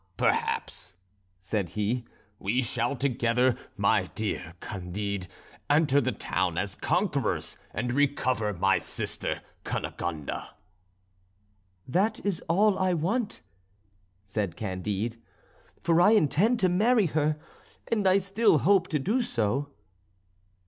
perhaps," said he, "we shall together, my dear Candide, enter the town as conquerors, and recover my sister Cunegonde." "That is all I want," said Candide, "for I intended to marry her, and I still hope to do so."